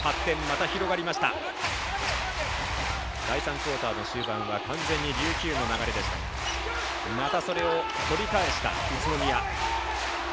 第３クオーターの終盤は完全に琉球の流れでしたがまたそれを取り返した宇都宮。